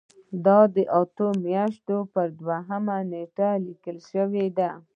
دا د اتمې میاشتې په دویمه نیټه لیکل شوې ده.